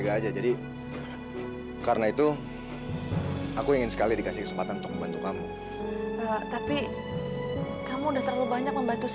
gak jadi gak jadi